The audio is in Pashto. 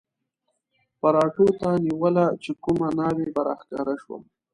پراټو ته نیوله چې کومه ناوې به را ښکاره شوه.